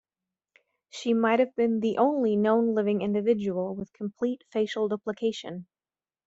She might have been the only known living individual with complete facial duplication.